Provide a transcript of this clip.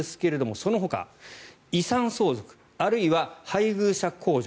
そのほか、遺産相続あるいは配偶者控除